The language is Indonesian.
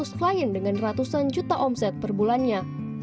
sekitar dua ratus klien dengan ratusan juta omset per bulannya